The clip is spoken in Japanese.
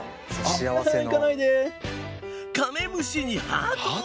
カメムシにハート？